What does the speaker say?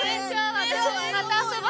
また遊ぼ。